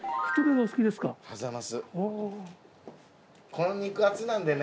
この肉厚なんでね。